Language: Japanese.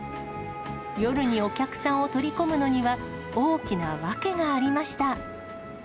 夜にお客さんを取り込むのには、大きな訳がありました。